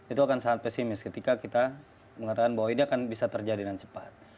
itu akan sangat pesimis ketika kita mengatakan bahwa ini akan bisa terjadi dengan cepat